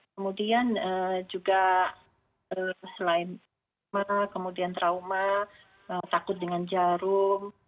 kemudian juga selain trauma takut dengan jarum